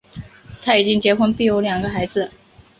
他已经结婚并有两个孩子。